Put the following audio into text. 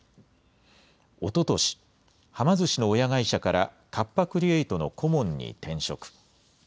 おととし、はま寿司の親会社からカッパ・クリエイトの顧問に転職。